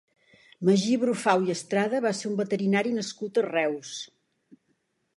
Magí Brufau i Estrada va ser un veterinari nascut a Reus.